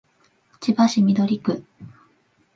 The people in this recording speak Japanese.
千葉市緑区